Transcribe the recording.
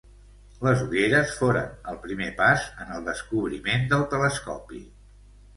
Les ulleres foren el primer pas en el descobriment del telescopi.